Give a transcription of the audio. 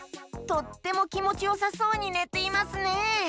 とってもきもちよさそうにねていますね！